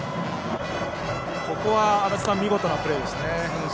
ここは見事なプレーでしたね。